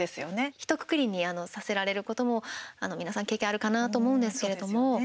ひとくくりにさせられることも皆さん、経験あるかなと思うんですけれども。